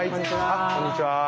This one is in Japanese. あこんにちは。